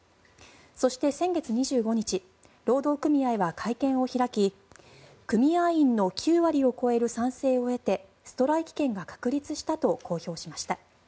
そして、先月２５日労働組合は会見を開き組合員の９割を超える賛成を得てストライキ権が確立したと公表しました。